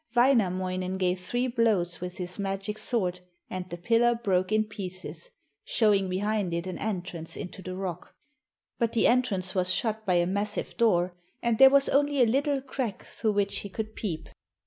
Wainamoinen gave three blows with his magic sword, and the pillar broke in pieces, showing behind it an entrance into the rock; but the entrance was shut by a massive door, and there was only a little crack through which he could peep.